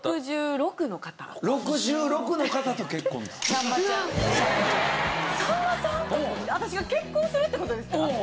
さんまさんと私が結婚するって事ですか？